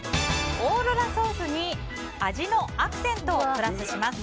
オーロラソースに味のアクセントをプラスします。